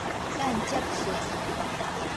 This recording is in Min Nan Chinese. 間接稅